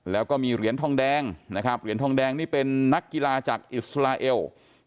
แล้วก็มีเหรียญทองแดงเป็นนักกีฬาจากอิสราเอล